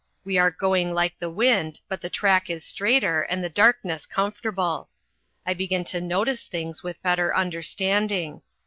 We are going like the wind, but the track is straighter, and the darkness comfortable. I begin to notice things with better understanding.